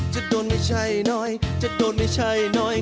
จะโดนไม่ใช่น้อยจะโดนไม่ใช่น้อย